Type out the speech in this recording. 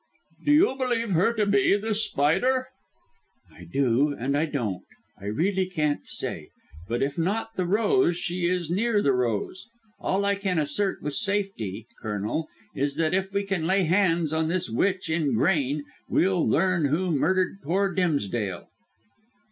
"Do you believe her to be this Spider?" "I do, and I don't. I really can't say. But if not the rose, she is near the rose. All I can assert with safety, Colonel, is that if we can lay hands on this witch in grain we'll learn who murdered poor Dimsdale."